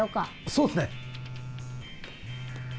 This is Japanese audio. そうっすね。